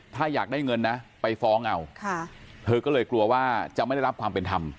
ถ้าอยากได้เงินนะไปฟ้องเอาเธอก็เลยกลัวว่าจะไม่ได้รับความเป็นธรรม